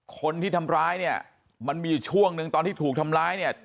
คนที่ทำร้ายเนี่ยมันมีอยู่ช่วงหนึ่งตอนที่ถูกทำร้ายเนี่ย